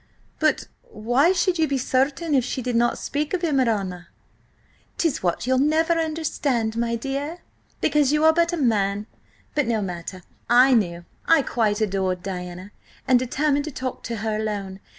"But why should you be certain if she did not speak of him, alanna?" "'Tis what you'll never understand, my dear, because you are but a man. But no matter–I knew. I quite adored Diana, and determined to talk to her alone.